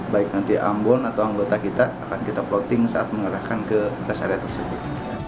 baik nanti ambon atau anggota kita akan kita plotting saat mengarahkan ke rest area tersebut